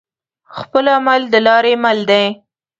خپل عمل دلاری مل دی